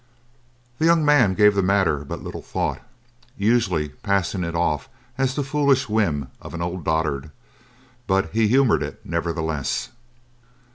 The young man gave the matter but little thought, usually passing it off as the foolish whim of an old dotard; but he humored it nevertheless.